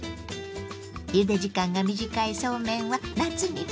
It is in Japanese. ゆで時間が短いそうめんは夏にピッタリ。